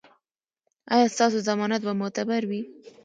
ایا ستاسو ضمانت به معتبر وي؟